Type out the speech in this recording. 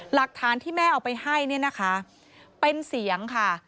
หลักฐานที่แม่เอาไปให้เนี่ยนะคะเป็นเสียงค่ะ